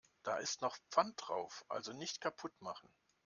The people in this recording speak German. Da ist noch Pfand drauf, also nicht kaputt machen.